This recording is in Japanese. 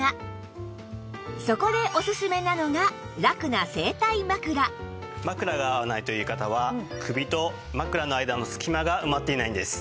そこでおすすめなのが枕が合わないという方は首と枕の間のすき間が埋まっていないんです。